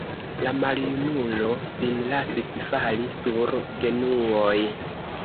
La maljunulo sin lasis fali sur genuoj.